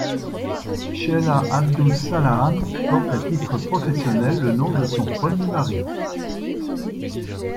Sheila Abdus-Salaam porte, à titre professionnel, le nom de son premier mari.